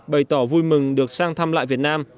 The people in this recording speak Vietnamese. bày tỏ vui mừng được sang thăm lại việt nam